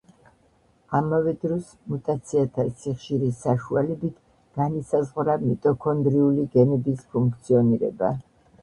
ამავე დროს მუტაციათა სიხშირის საშუალებით განისაზღვრა მიტოქონდრიული გენების ფუნქციონირება.